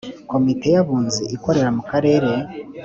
Komite y Abunzi ikorera mukarere